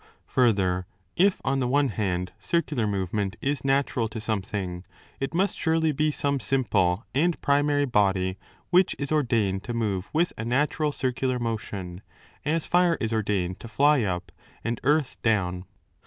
Further, if, on the one "Ὁ hand, circular movement is zatural to something, it must surely be some simple and primary body which is ordained to move with a natural circular motion, as fire is ordained 5 to fly up and earth down.